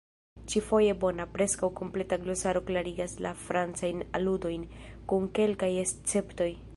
Ĉi-foje bona, preskaŭ kompleta glosaro klarigas la francajn aludojn, kun kelkaj esceptoj.